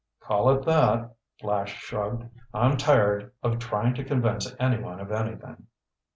"Call it that," Flash shrugged. "I'm tired of trying to convince anyone of anything."